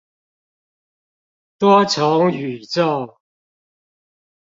多重宇宙